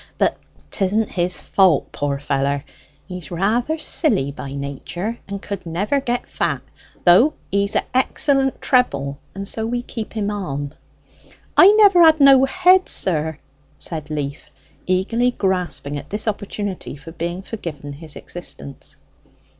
"But 'tisn't his fault, poor feller. He's rather silly by nature, and could never get fat; though he's a' excellent treble, and so we keep him on." "I never had no head, sir," said Leaf, eagerly grasping at this opportunity for being forgiven his existence.